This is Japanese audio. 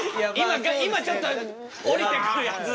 今ちょっと降りてくるやつ。